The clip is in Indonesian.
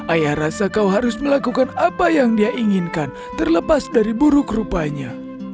ayah rasa kau harus melakukan apa yang dia inginkan terlepas dari buruk rupanya